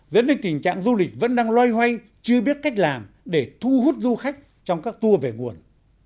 dẫn đến tình trạng du lịch vẫn đang loay hoay chưa biết cách làm để thu hút du khách trong các tour về nguồn